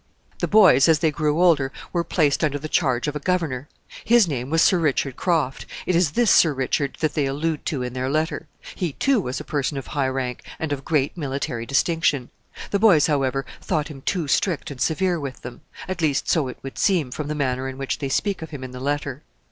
The boys, as they grew older, were placed under the charge of a governor. His name was Sir Richard Croft. It is this Sir Richard that they allude to in their letter. He, too, was a person of high rank and of great military distinction. The boys, however, thought him too strict and severe with them; at least so it would seem, from the manner in which they speak of him in the letter.